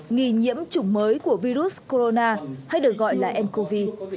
nghi nhiễm chủng mới của virus corona hay được gọi là ncov